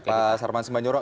pak sarman sembanyoro